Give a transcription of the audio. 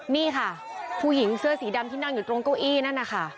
นี่ค่ะผู้หญิงเสื้อสีดำที่นั่งอยู่ตรงเก้าอี้นั่นนะคะ